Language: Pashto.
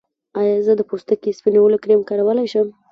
ایا زه د پوستکي سپینولو کریم کارولی شم؟